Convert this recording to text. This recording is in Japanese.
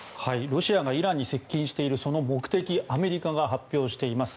ロシアがイランに接近しているその目的アメリカが発表しています。